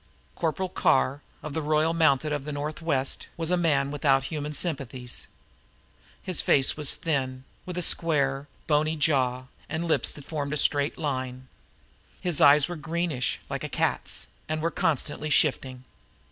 Corporal Carr, of the Royal Mounted of the Northwest, was a man without human sympathies. He was thin faced, with a square, bony jaw, and lips that formed a straight line. His eyes were greenish, like a cat's, and were constantly shifting.